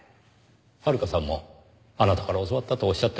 遥さんもあなたから教わったとおっしゃってました。